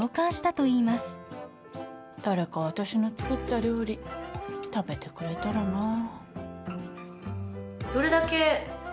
誰か私の作った料理食べてくれたらなぁ。